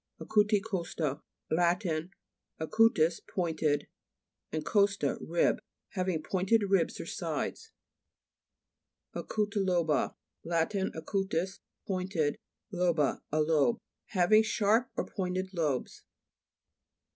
ACUTICO'STA Lat. (acutus, pointed, and costa, rib.) Having pointed ribs or sides. A'CUTTLO'BA Lat. (acutus, pointed ; loba, a lobe.) Having sharp or pointed lobes.